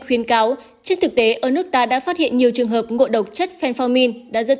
khuyên cáo chất thực tế ở nước ta đã phát hiện nhiều trường hợp ngộ độc chất phenformin đã dẫn